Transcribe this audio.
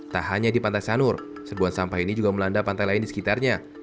tak hanya di pantai sanur sebuah sampah ini juga melanda pantai lain di sekitarnya